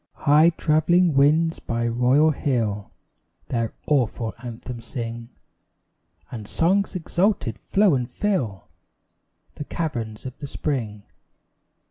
High travelling winds by royal hill Their awful anthem sing, And songs exalted flow and fill The caverns of the spring.